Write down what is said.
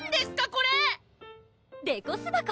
これデコ巣箱！